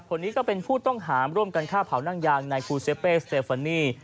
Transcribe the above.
คนนี้ก็เป็นผู้ต้องหาร่วมกันฆ่าเผานั่งยางในคูเซเปสเตฟานี